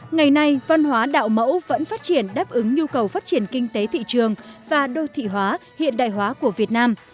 ngày nay văn hóa đạo mẫu vẫn phát triển đáp ứng nhu cầu phát triển kinh tế thị trường và đô thị hóa hiện đại hóa của việt nam